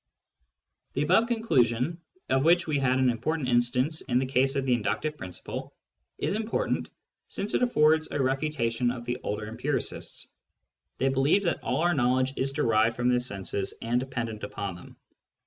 The above conclusion, of which we had an instance in the case of the inductive principle, is important, since it affords a refutation of the older empiricists. They believed that all our knowledge is derived from the senses and dependent upon them.